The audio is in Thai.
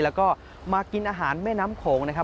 แล้วก็มากินอาหารแม่น้ำโขงนะครับ